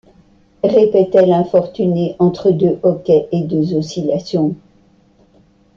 répétait l’infortuné entre deux hoquets et deux oscillations.